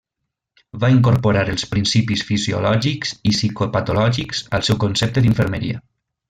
Va incorporar els principis fisiològics i psicopatològics al seu concepte d’infermeria.